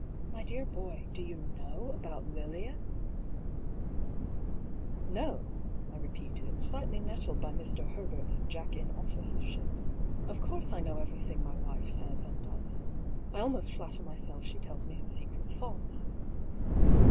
My dear boy, do you know about Lilia ?"" Know ?" I repeated, slightly nettled by Mr. Her bert's Jack in office ship. " Of course I know everything my wife says and does. I almost fiatter myself she tells me her secret thoughts."